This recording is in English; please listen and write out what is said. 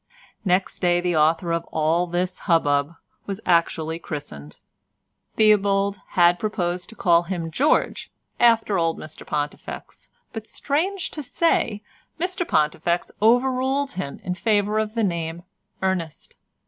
Next day the author of all this hubbub was actually christened. Theobald had proposed to call him George after old Mr Pontifex, but strange to say, Mr Pontifex over ruled him in favour of the name Ernest.